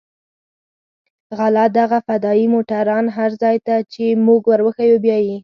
غله دغه فدايي موټران هر ځاى ته چې موږ وروښيو بيايي.